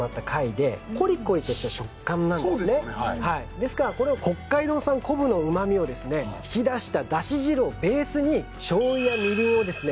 ですからこれを北海道産昆布の旨みをですね引き出しただし汁をベースに醤油やみりんをですね